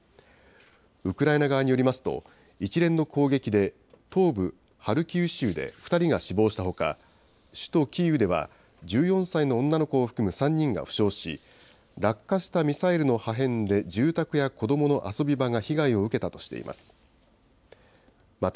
ウクライナ側によりますと、一連の攻撃で、東部ハルキウ州で２人が死亡したほか、首都キーウでは１４歳の女の子を含む３人が負傷し、落下したミサイルの破片で住宅や子どもの遊び場が被害を受けたとしています。